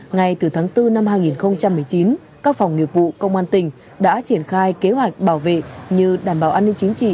ngay từ tháng bốn năm hai nghìn một mươi chín các phòng nghiệp vụ công an tỉnh đã triển khai kế hoạch bảo vệ như đảm bảo an ninh chính trị